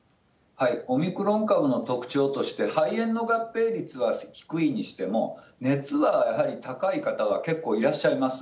オミクロン株の特徴として、肺炎の合併率は低いにしても、熱はやはり高い方は結構いらっしゃいます。